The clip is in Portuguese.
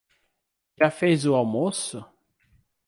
Já fez o almoço?